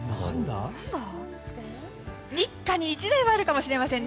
一家に一台はあるかもしれませんね。